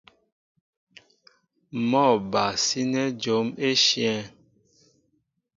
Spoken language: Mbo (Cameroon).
Mɔ́ a ba sínɛ́ jǒm éshe.